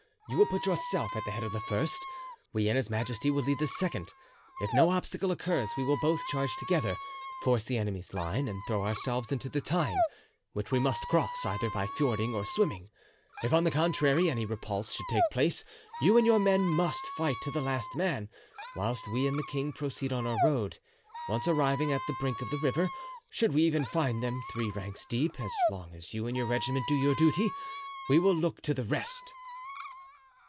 You will put yourself at the head of the first. We and his majesty will lead the second. If no obstacle occurs we will both charge together, force the enemy's line and throw ourselves into the Tyne, which we must cross, either by fording or swimming; if, on the contrary, any repulse should take place, you and your men must fight to the last man, whilst we and the king proceed on our road. Once arrived at the brink of the river, should we even find them three ranks deep, as long as you and your regiment do your duty, we will look to the rest."